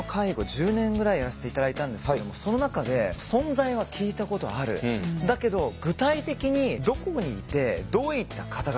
１０年ぐらいやらせて頂いたんですけどもその中で存在は聞いたことあるだけど具体的にどこにいてどういった方々何を専門にしてるのか？